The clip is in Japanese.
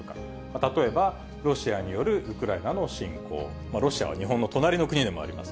例えば、ロシアによるウクライナの侵攻、ロシアは日本の隣の国でもあります。